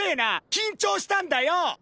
緊張したんだよ！